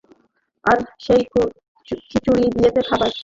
আর সেই খিচুড়ি বিয়েতে পাঠাবেন।